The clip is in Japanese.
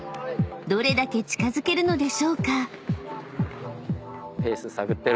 ［どれだけ近づけるのでしょうか？］